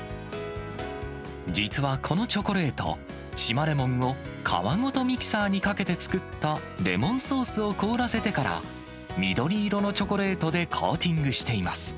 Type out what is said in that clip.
実はこのチョコレート、島レモンを皮ごとミキサーにかけて作ったレモンソースを凍らせてから、緑色のチョコレートでコーティングしています。